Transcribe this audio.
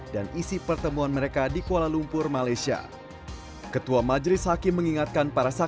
yang berpendapat bahwa andi irfan bisa menolong itu siapa